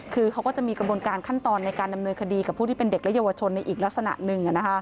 คือเขาก็จะมีกระบวนการขั้นตอนในการดำเนินคดีกับผู้ที่เป็นเด็กและเยาวชนในอีกลักษณะหนึ่ง